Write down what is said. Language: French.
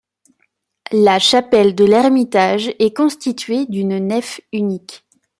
La chapelle de l'ermitage est constituée d'une nef unique.